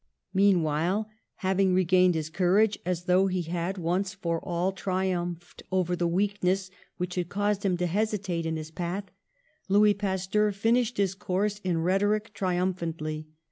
Meanwhile, having regained his courage, as though he had, once for all, triumphed over the weakness which had caused him to hesitate in his path, Louis Pasteur finished his course in rhetoric triumphantly.